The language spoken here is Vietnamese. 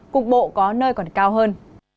cục bộ có nơi còn cao hơn